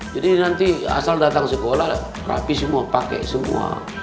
jadi nanti asal datang sekolah rapi semua pakai semua